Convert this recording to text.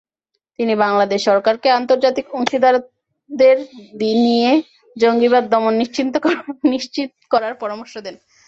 তিনি বাংলাদেশ সরকারকে আন্তর্জাতিক অংশীদারদের নিয়ে জঙ্গিবাদ দমন নিশ্চিত করার পরামর্শ দেন।